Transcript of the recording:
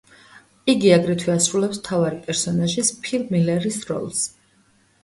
იგი აგრეთვე ასრულებს მთავარი პერსონაჟის, ფილ მილერის როლს.